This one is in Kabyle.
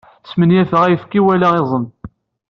Smenyafeɣ ayefki wala iẓem.